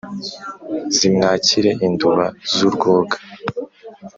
zimwakire induba z'urwoga.